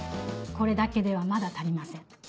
これだけではまだ足りません。